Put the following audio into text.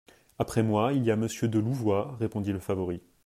Après moi, il y a Monsieur de Louvois, répondit le favori.